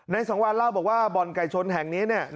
สังวานเล่าบอกว่าบ่อนไก่ชนแห่งนี้